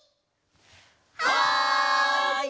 はい！